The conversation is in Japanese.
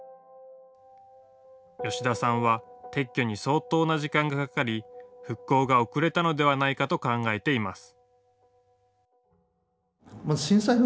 吉田さんは撤去に相当な時間がかかり復興が遅れたのではないかと考えています。